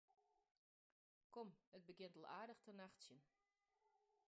Kom, it begjint al aardich te nachtsjen.